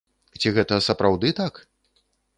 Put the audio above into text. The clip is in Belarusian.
Ці гэта сапраўды так?